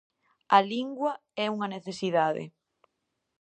A lingua é unha necesidade.